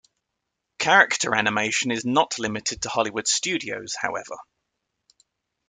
Character animation is not limited to Hollywood studios, however.